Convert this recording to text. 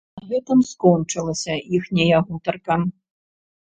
На гэтым скончылася іхняя гутарка.